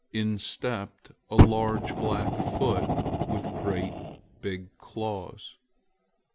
In stepped a large black foot with great big claws.